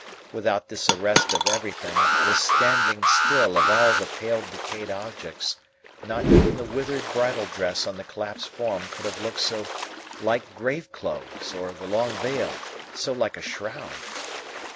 Without this arrest of everything, this standing still of all the pale decayed objects, not even the withered bridal dress on the collapsed form could have looked so like grave clothes, or the long veil so like a shroud.